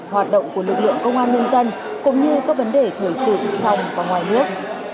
hoạt động của lực lượng công an nhân dân cũng như các vấn đề thời sự trong và ngoài nước